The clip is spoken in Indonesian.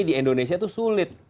di indonesia itu sulit